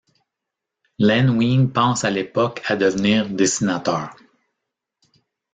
Len Wein pense à l'époque à devenir dessinateur.